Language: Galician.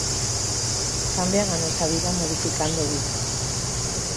Cambian a nosa vida modificando vida.